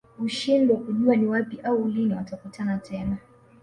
Hushindwa kujua ni wapi au lini watakutana tena